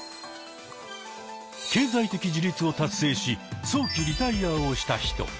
経済的自立を達成し早期リタイアをした人。